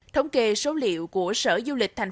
thống kê số lượng đất nước việt nam